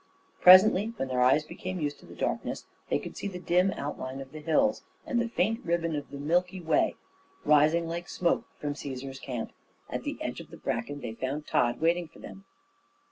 Presently, when their eyes became used to the darkness, they could see the dim outline of the hills, and the faint ribbon of the Milky Way rising like smoke from Cæsar's Camp. At the edge of the bracken they found Tod waiting for them.